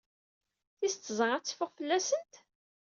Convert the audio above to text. Tis tẓat ad teffeɣ fell-asent?